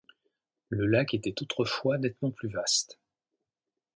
Le lac était autrefois nettement plus vaste.